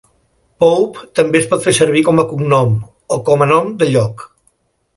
"Pope" també es pot fer servir com a cognom o com a nom de lloc.